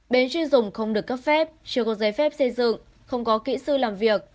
bến truy dùng không được cấp phép chưa có giấy phép xây dựng không có kỹ sư làm việc